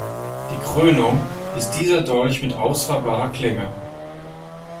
Die Krönung ist dieser Dolch mit ausfahrbarer Klinge.